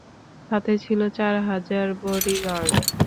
সাথে ছিল চার হাজার বডিগার্ড।